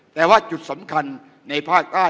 แต่ว่าจุดสำคัญในภาคใต้